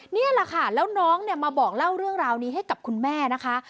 นี่แหละค่ะแล้วน้องเนี่ยมาบอกเล่าเรื่องราวนี้ให้กับคุณแม่นะคะ